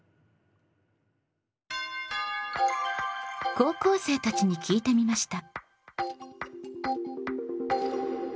高校生たちに聞いてみました。